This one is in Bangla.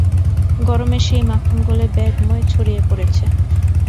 গরমে সেই মাখন গলে ব্যাগময় ছড়িয়ে পড়েছে।